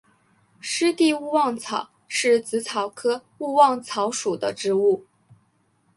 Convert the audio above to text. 湿地勿忘草是紫草科勿忘草属的植物。